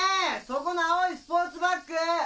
そこの青いスポーツバッグ！